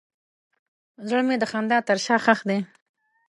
زړه مې د خندا تر شا ښخ دی.